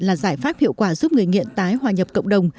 là giải pháp hiệu quả giúp người nghiện tái hòa nhập cộng đồng